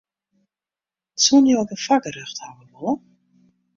Soenen jo ek in foargerjocht hawwe wolle?